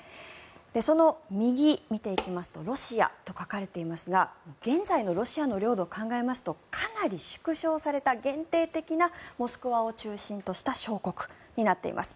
その右、見ていきますとロシアと書かれていますが現在のロシアの領土を考えますとかなり縮小された限定的なモスクワを中心とした小国になっています。